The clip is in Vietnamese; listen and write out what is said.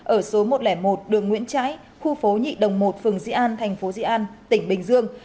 ở số một trăm linh một đường nguyễn trãi khu phố nhị đồng một phường dĩ an thành phố dị an tỉnh bình dương